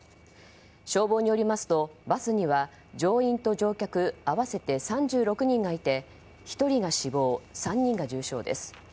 消防によりますとバスには乗員と乗客合わせて３６人がいて１人が死亡、３人が重傷です。